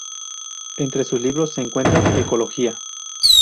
Entre sus libros se cuentan "Ecología.